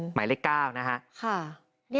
หมายเลข๙นะฮะ